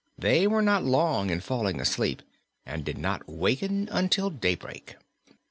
They were not long in falling asleep and did not waken until daybreak.